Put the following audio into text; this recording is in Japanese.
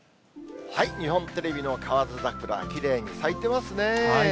日本テレビの河津桜、きれいに咲いてますね。